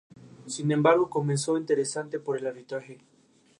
Servicios: En la localidad existen pocos, pero se cuenta con el Mesón el Pesebre.